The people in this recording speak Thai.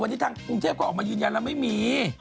วันนี้ทางกรุงเทพก็ออกมายืนยันแล้วไม่มี